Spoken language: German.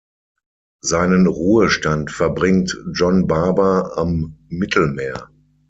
Seinen Ruhestand verbringt John Barber am Mittelmeer.